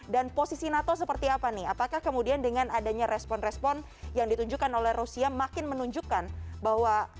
dan posisi nato seperti apa nih apakah kemudian dengan adanya respon respon yang ditunjukkan oleh rusia makin menunjukkan bahwa